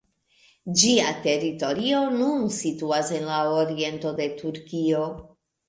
Ĝia teritorio nun situas en la oriento de Turkio.